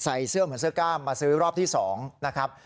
เสื้อเหมือนเสื้อกล้ามมาซื้อรอบที่๒นะครับ